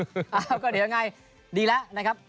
อ้าวก็เดี๋ยวยังไงดีแล้วนะครับ